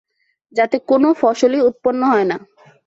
যাতে কোন ফসলই উৎপন্ন হয় না।